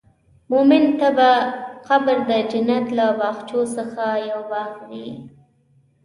مؤمن ته به قبر د جنت له باغونو څخه یو باغ وي.